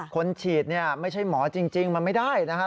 คนฉีดเนี่ยไม่ใช่หมอจริงมันไม่ได้นะครับ